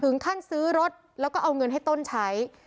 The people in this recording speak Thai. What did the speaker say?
ซื้อรถแล้วก็เอาเงินให้ต้นใช้